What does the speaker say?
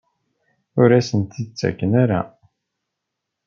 Ur as-ten-id-ttaken ara?